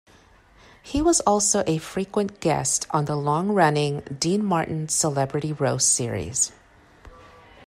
He was also a frequent guest on the long-running "Dean Martin Celebrity Roast" series.